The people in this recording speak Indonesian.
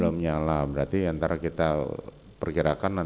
belum nyala berarti antara kita perkirakan